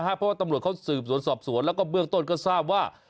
เพราะว่าตำรวจเขาสืบสวนสอบสวนแล้วก็เบื้องต้นก็ทราบว่า